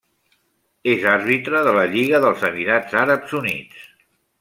És àrbitre de la lliga dels Emirats Àrabs Units.